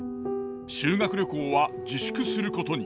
修学旅行は自粛することに。